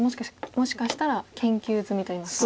もしかしたら研究済みといいますか。